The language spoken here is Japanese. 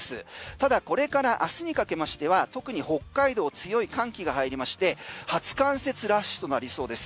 ただ、これからあすにかけましては特に北海道強い寒気が入りまして初冠雪ラッシュとなりそうです。